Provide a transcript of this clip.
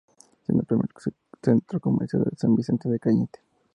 Siendo el primer centro comercial de San Vicente de Cañete.